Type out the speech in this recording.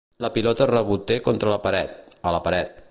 La pilota reboté contra la paret, a la paret.